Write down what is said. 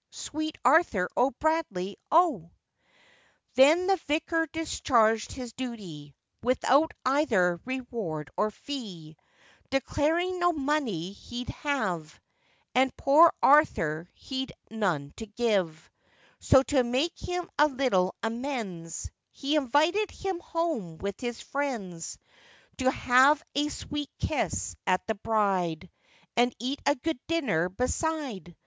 Sweet Arthur O'Bradley, O! Then the vicar discharged his duty, Without either reward or fee, Declaring no money he'd have; And poor Arthur he'd none to give: So, to make him a little amends, He invited him home with his friends, To have a sweet kiss at the bride, And eat a good dinner beside.